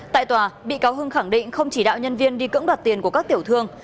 tại tòa bị cáo hưng khẳng định không chỉ đạo nhân viên đi cưỡng đoạt tiền của các tiểu thương